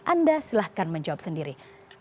anda silahkan menjawab sendiri